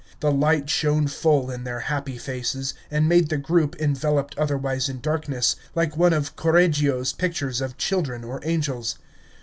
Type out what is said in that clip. The light shone full in their happy faces, and made the group, enveloped otherwise in darkness, like one of Correggio's pictures of children or angels.